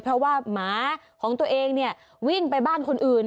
เพราะว่าหมาของตัวเองเนี่ยวิ่งไปบ้านคนอื่น